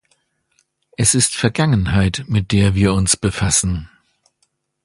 Es ist Vergangenheit, mit der wir uns befassen.